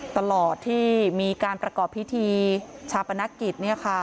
ตลอดที่มีการประกอบพิธีชาปนกิจ